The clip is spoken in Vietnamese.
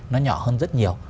nó nhỏ hơn rất nhiều